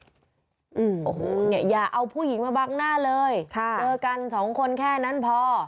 โอ้โหเนี่ยอย่าเอาผู้หญิงมาบังหน้าเลยค่ะเจอกันสองคนแค่นั้นพอ